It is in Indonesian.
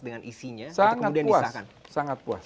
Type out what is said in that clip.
dengan isinya atau kemudian disahkan sangat puas